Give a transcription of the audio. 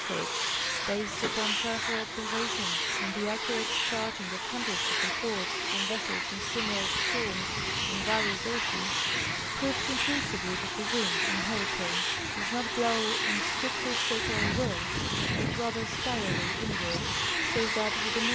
203 search, based upon careful observation and the accurate charting of hundreds of reports from vessels in similar storms in various oceans, proved conclusively that the wind ina hurricane does not blow in strictly circular whirls, but rather spirally inward, so that with a NE.